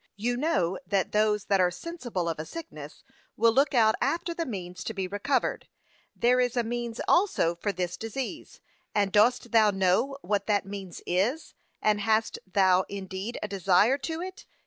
You know that those that are sensible of a sickness, will look out after the means to be recovered; there is a means also for this disease, and dost thou know what that means is, and hast thou indeed a desire to it?